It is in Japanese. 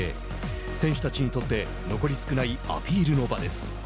選手たちにとって残り少ないアピールの場です。